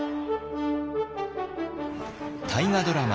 大河ドラマ